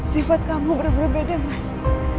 sifat kamu berbeda mas